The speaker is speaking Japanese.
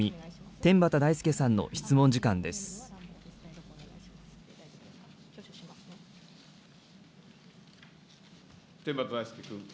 天畠大輔君。